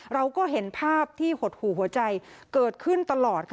เราก็เห็นภาพที่หดหู่หัวใจเกิดขึ้นตลอดค่ะ